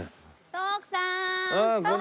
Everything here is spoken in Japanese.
徳さーん！